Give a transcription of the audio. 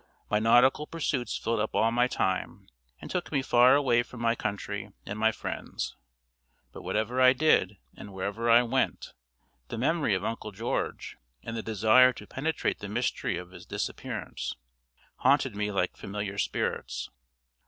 My nautical pursuits filled up all my time, and took me far away from my country and my friends. But, whatever I did, and wherever I went, the memory of Uncle George, and the desire to penetrate the mystery of his disappearance, haunted me like familiar spirits.